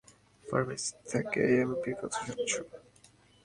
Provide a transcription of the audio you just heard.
ফার্মেসীতে থাকা ওই এমপির কথা শুনেছ?